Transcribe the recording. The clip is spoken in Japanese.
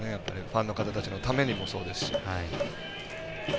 ファンの方たちのためにもそうですし。